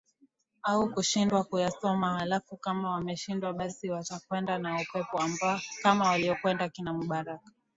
au kushindwa kuyasoma halafu kama wameshindwa basi watakwenda na upepo kama waliokwenda kina mubarak